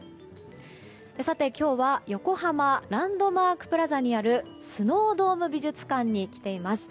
今日は横浜ランドマークプラザにあるスノードーム美術館に来ています。